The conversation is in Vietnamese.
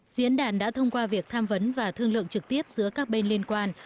diễn đàn đã thông qua việc tham vấn và thương lượng trực tiếp giữa các bên liên quan